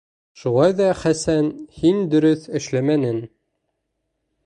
Шулай ҙа, Хәсән, һин дөрөҫ эшләмәнең.